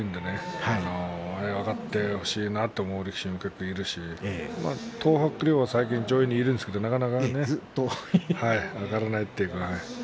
上がってほしいなと思う力士も結構いるし東白龍は最近上位にいるんですがなかなか上がれないというかね